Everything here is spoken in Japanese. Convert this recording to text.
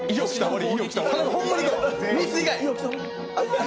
ミス以外。